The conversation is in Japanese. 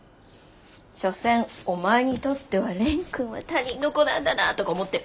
しょせんお前にとっては蓮くんは他人の子なんだなとか思ってる？